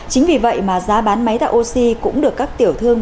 chính vì vậy mà giá bán máy tạo oxy cũng được các tiểu thương